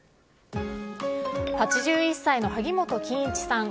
８１歳の萩本欽一さん。